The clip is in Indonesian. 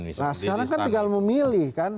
nah sekarang kan tinggal memilih kan